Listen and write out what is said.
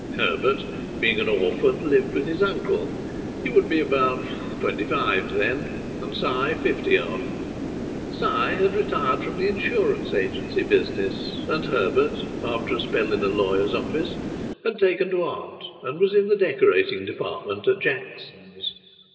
Herbert, being an orphan, lived with his uncle. He would be about twenty five then, and Si fifty odd. Si had retired from the insurance agency business, and Herbert, after a spell in a lawyer's office, had taken to art and was in the decorating department at Jackson's.